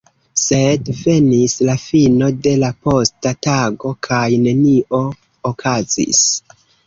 Sed venis la fino de la posta tago, kaj nenio okazis.